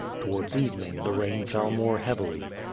Towards evening the rain fell more heavily.